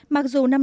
mặc dù năm